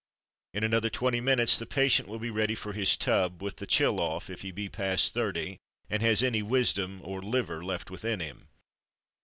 In another twenty minutes the patient will be ready for his tub (with the chill off, if he be past thirty, and has any wisdom, or liver, left within him).